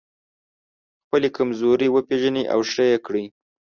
خپلې کمزورۍ وپېژنئ او ښه يې کړئ.